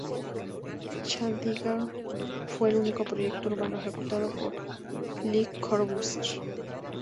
Chandigarh fue el único proyecto urbano ejecutado por Le Corbusier.